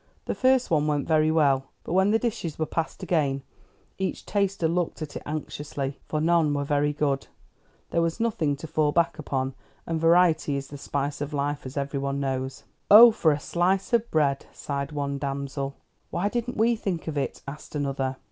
The first one went very well, but when the dishes were passed again, each taster looked at it anxiously; for none were very good, there was nothing to fall back upon, and variety is the spice of life, as every one knows. "Oh, for a slice of bread," sighed one damsel. "Why didn't we think of it?" asked another.